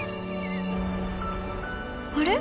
「あれ？